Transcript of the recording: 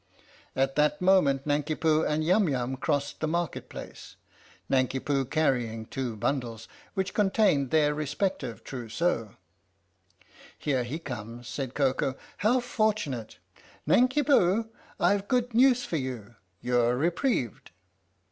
At that moment Nanki Poo and Yum Yum crossed the Market Place, Nanki Poo carrying two bundles, which contained their respective trousseaux. "Here he comes," said Koko; "how fortunate! Nanki Poo I've good news for you you're re prieved."